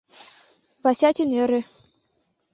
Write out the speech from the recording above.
— Васятин ӧрӧ.